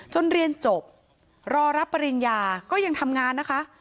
เรียนจบรอรับปริญญาก็ยังทำงานนะคะ